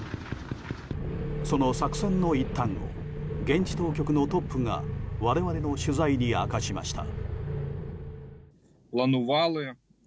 その作戦の一端を現地当局のトップが我々の取材に明かしました。